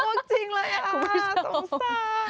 อุ๊กจริงเลยอ่ะสงสาร